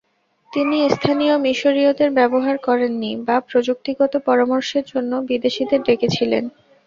তিনি স্থানীয় মিশরীয়দের ব্যবহার করেননি বা প্রযুক্তিগত পরামর্শের জন্য বিদেশীদের ডেকেছিলেন।